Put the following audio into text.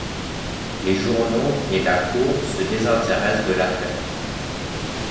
Les journaux et la Cour se désintéressent de l'affaire.